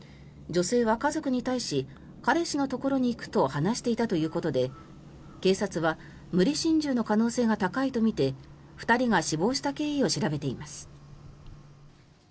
女性は家族に対し彼氏のところに行くと話していたということで警察は無理心中の可能性が高いとみて２人が死亡した経緯を調べています。